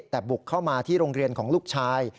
แต่บุกเข้ามาที่โรงเรียนของลูกชาย